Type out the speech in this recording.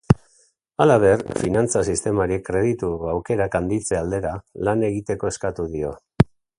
Halaber, finantza sistemari kreditu aukerak handitze aldera lan egiteko eskatu dio.